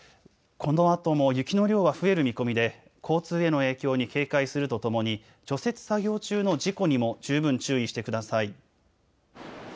このあとも雪の量は増える見込みで交通への影響に警戒するとともに除雪作業中の事故にも十分注意してください。